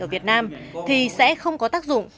ở việt nam thì sẽ không có tác dụng